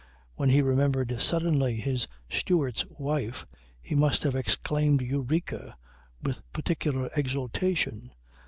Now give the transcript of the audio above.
When he remembered suddenly his steward's wife he must have exclaimed eureka with particular exultation.